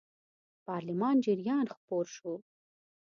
د پارلمان جریان خپور شو.